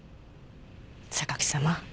榊様。